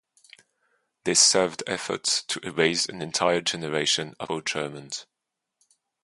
This served efforts to erase an entire generation of Afro-Germans.